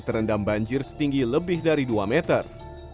terendam banjir setinggi lebih dari dua meter